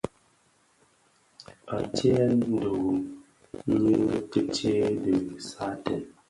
Antseyèn dirun nyi ki tsee dhi saaten.